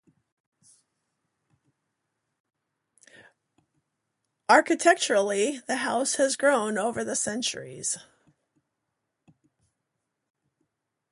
Architecturally, the house has grown over the centuries.